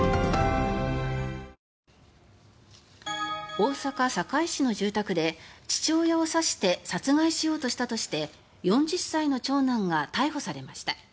大阪・堺市の住宅で父親を刺して殺害しようとしたとして４０歳の長男が逮捕されました。